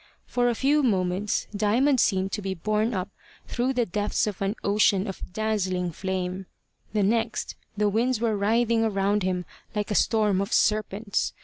For a few moments, Diamond seemed to be borne up through the depths of an ocean of dazzling flame; the next, the winds were writhing around him like a storm of serpents.